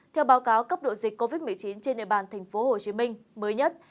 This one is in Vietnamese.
theo báo cáo cấp độ dịch covid một mươi chín trên địa bàn tp hcm mới nhất